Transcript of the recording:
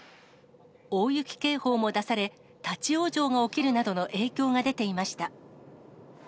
大雪警報も出され、立往生が起きるなどの影響が出ていました。